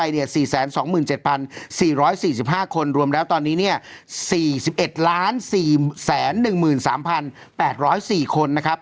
๔๒๗๔๔๕คนรวมแล้วตอนนี้เนี่ย๔๑๔๑๓๘๐๔คนนะครับ